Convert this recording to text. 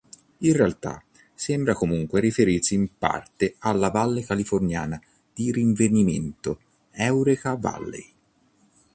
In realtà sembra comunque riferirsi in parte alla valle californiana di rinvenimento: Eureka Valley.